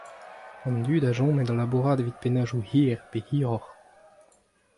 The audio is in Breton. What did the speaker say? An dud a chome da labourat evit pennadoù hir pe hiroc'h.